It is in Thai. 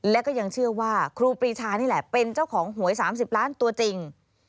และก็ยังเชื่อว่าครูปรีชานี่แหละเป็นเจ้าของหวย๓๐ล้านตัวจริง